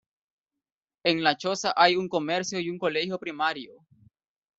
En La Choza hay un comercio y un colegio primario.